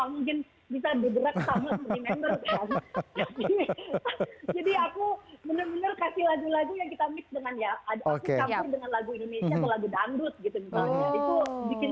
kasih lagi lagi yang kita mixed dengan ya oke dengan lagu indonesia lagu dangdut gitu bikin